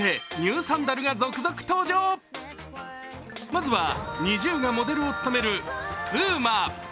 まずはＮｉｚｉＵがモデルを務めるＰＵＭＡ。